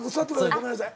ごめんなさい。